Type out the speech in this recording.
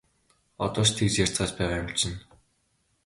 Одоо ч тэгж ярьцгааж байгаа юм чинь!